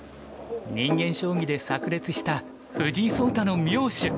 人間将棋でさく裂した藤井聡太の妙手。